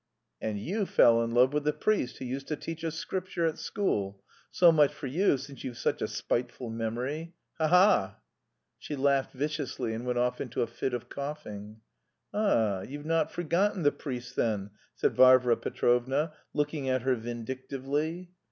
"And you fell in love with the priest who used to teach us scripture at school so much for you, since you've such a spiteful memory. Ha ha ha!" She laughed viciously and went off into a fit of coughing. "Ah, you've not forgotten the priest then..." said Varvara Petrovna, looking at her vindictively.